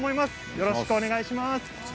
よろしくお願いします。